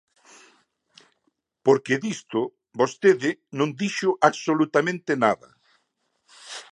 Porque disto vostede non dixo absolutamente nada.